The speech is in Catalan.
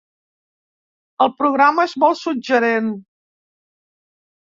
El programa és molt suggerent.